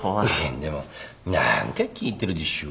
でも何か聞いてるでしょ？